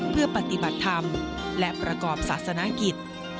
เพื่อปฏิบัติธรรมและประกอบศาสนกิจ